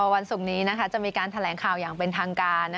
วันศุกร์นี้จะมีการแถลงข่าวอย่างเป็นทางการ